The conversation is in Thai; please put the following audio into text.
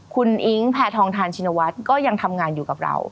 คุณอิ๊งแพทองทานชินวัฒน์ก็ยังทำงานอยู่กับเรา